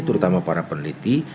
terutama para peneliti